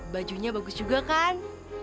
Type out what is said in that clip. bajunya bagus juga kan